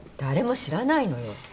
誰も知らないのよ。